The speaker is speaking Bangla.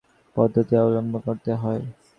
সেটা বাতিল করতে হলে কয়েকটি পদ্ধতি অবলম্বন করতে হয়।